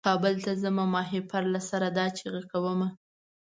کابل ته ځمه د ماهیپر له سره دا چیغه کومه.